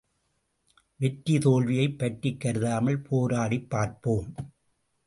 வெற்றி தோல்வியைப் பற்றிக் கருதாமல் போராடிப் பார்ப்போம்.